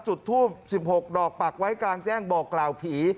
จุดทูบ๑๖ดอกปักไว้กลางแจ้งบอกกล่าวผี